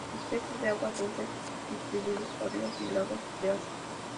Son peces de agua dulce distribuidos por ríos y lagos de Asia.